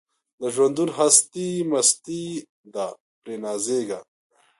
د ژوندون هستي مستي ده پرې نازیږي